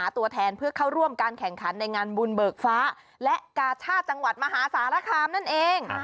ตัวแทนเพื่อเข้าร่วมการแข่งขันในงานบุญเบิกฟ้าและกาชาติจังหวัดมหาสารคามนั่นเอง